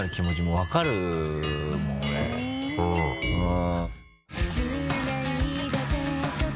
うん。